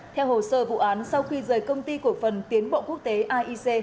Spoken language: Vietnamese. theo hồ sơ vụ án sau khi rời công ty cổ phần tiến bộ quốc tế aic